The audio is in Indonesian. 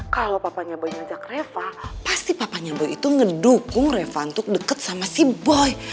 kalau papanya boy ngajak reva pasti papanya boy itu ngedukung reva untuk deket sama si boy